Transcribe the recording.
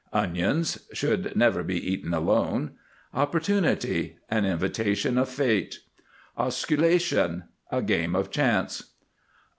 ONIONS. Should never be eaten alone. OPPORTUNITY. An invitation of Fate. OSCULATION. A game of chance.